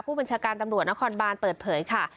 ผู้บัญชาการตำรวจนครบานเปิดเผยค่ะ